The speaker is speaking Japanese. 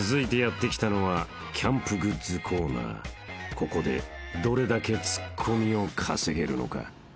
［ここでどれだけツッコミを稼げるのか？］